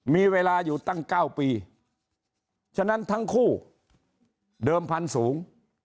มีเวลาอยู่ตั้ง๙ปีฉะนั้นทั้งคู่เดิมพันธุ์สูง